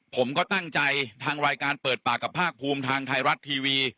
ผมก็ตั้งใจทางรายการเปิดปากกับภาคภูมิทางไทยรัฐทีวี